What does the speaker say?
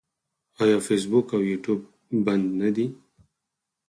آیا فیسبوک او یوټیوب بند نه دي؟